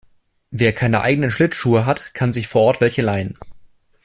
Wer keine eigenen Schlittschuhe hat, kann sich vor Ort welche leihen.